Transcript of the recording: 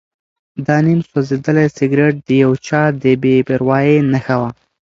دا نیم سوځېدلی سګرټ د یو چا د بې پروایۍ نښه وه.